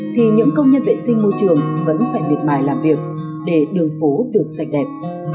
thì những công nhân vệ sinh môi trường vẫn phải miệt mài làm việc để đường phố được sạch đẹp